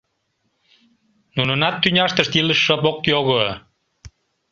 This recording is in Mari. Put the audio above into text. Нунынат тӱняштышт Илыш шып ок його.